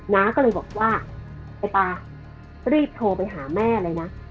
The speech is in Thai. น้าก็เลยบอกว่าไอ้ตารีบโทรไปหาแม่เลยนะ